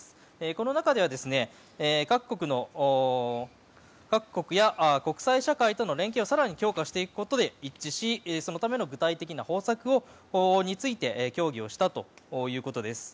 この中では各国や国際社会との連携を更に強化していくことで一致しそのための具体的な方策について協議したということです。